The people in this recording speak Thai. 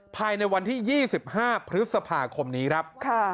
ภายในวันที่๒๕พฤษภาคมนี้ครับ